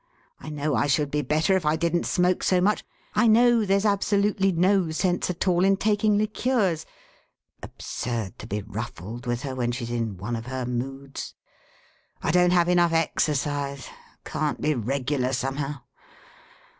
I know I should be better if I didn't smoke so much. I know there's absolutely no sense at all in taking liqueurs. Absurd to be ruffled with her when she's in one of her moods. I don't have enough exercise. Can't be regular, somehow.